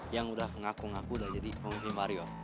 yang udah ngaku ngaku udah jadi pemimpin bario